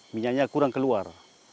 minyaknya kurang keluar